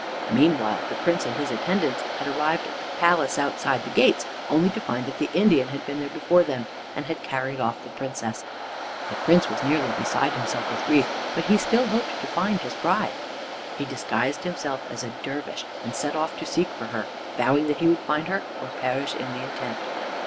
Meanwhile the Prince and his attendants had arrived at the palace outside the gates, only to find that the Indian had been there before them and had carried off the Princess. The Prince was nearly beside himself with grief, but he still hoped to find his bride. He disguised himself as a dervish and set off to seek for her, vowing that he would find her, or perish in the attempt.